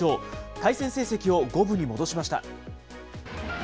対戦成績を五分に戻しました。